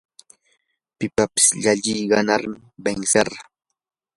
pipas llalliy ganar, vencer